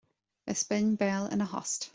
Is binn béal ina thost